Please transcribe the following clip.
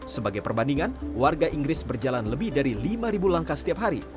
sebagai perbandingan warga inggris berjalan lebih dari lima langkah setiap hari